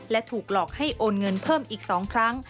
และถูกหลอกให้โอนเงินเพิ่มอีก๒ครั้ง